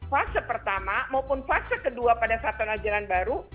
fase pertama maupun fase kedua pada kesehatan jalan baru